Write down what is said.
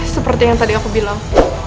seperti yang tadi aku bilang